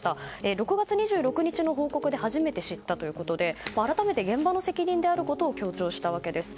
６月２６日の報告で初めて知ったということで改めて現場の責任であることを強調したわけです。